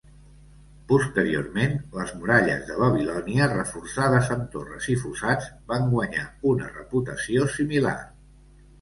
Posteriorment, les muralles de Babilònia reforçades amb torres i fossats, van guanyar una reputació similar.